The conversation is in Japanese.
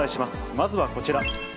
まずはこちら。